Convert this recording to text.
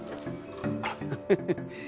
フフフ。